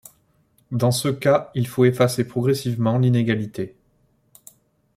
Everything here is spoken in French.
Dans ce cas, il faut effacer progressivement l'inégalité.